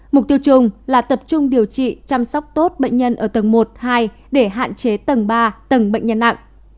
mục tiêu chung là tập trung điều trị chăm sóc tốt bệnh nhân ở tầng một hai để hạn chế tầng ba tầng bệnh nhân nặng